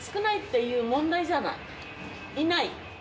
いない！